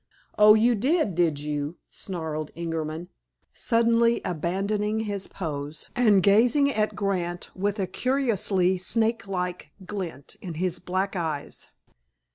"Oh, you did, did you?" snarled Ingerman, suddenly abandoning his pose, and gazing at Grant with a curiously snakelike glint in his black eyes.